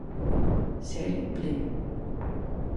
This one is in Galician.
Serie Pleno.